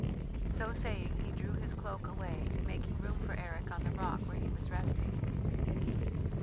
So saying he drew his cloak away, making room for Eric on the rock where he was resting.